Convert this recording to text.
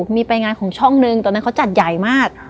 มีไปงานของช่องนึงตอนนั้นเขาจัดใหญ่มาก